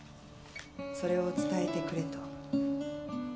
「それを伝えてくれ」と。